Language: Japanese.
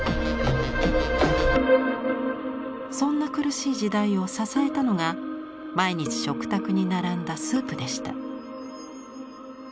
そんな苦しい時代を支えたのが毎日食卓に並んだスープでした。